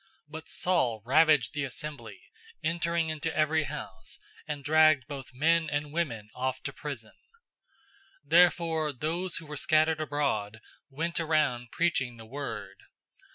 008:003 But Saul ravaged the assembly, entering into every house, and dragged both men and women off to prison. 008:004 Therefore those who were scattered abroad went around preaching the word.